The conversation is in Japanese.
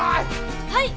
はい！